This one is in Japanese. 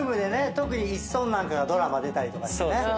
特にイッソンなんかがドラマ出たりとかしてね。